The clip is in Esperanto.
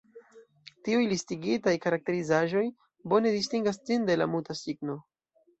Tiuj listigitaj karakterizaĵoj bone distingas ĝin de la Muta cigno.